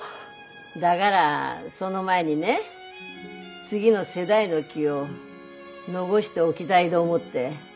だがらその前にね次の世代の木を残しておぎだいど思って。